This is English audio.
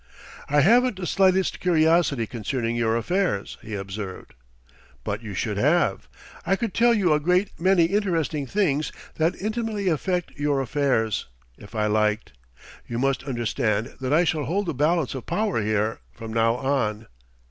"I haven't the slightest curiosity concerning your affairs," he observed. "But you should have; I could tell you a great many interesting things that intimately affect your affairs, if I liked. You must understand that I shall hold the balance of power here, from now on."